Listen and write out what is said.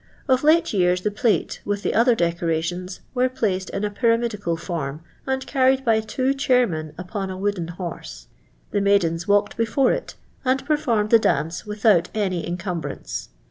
Of late ycirs the plate, with the otiw decorations, were phiced in a pyramidical form, and carried by two chairmen upon a wooden horse. The maidens walked before it, and per formed the dance without any incumbrance.